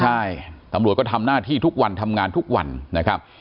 ใช่ตำรวจก็ทำหน้าที่ทุกวันทำงานทุกวันนะครับ